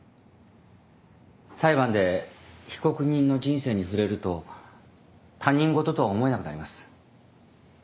裁判で被告人の人生に触れると他人事とは思えなくなります。